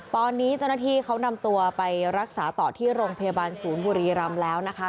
ตอนนี้เจ้าหน้าที่เขานำตัวไปรักษาต่อที่โรงพยาบาลศูนย์บุรีรำแล้วนะคะ